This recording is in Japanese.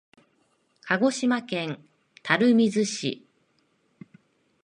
鹿児島県垂水市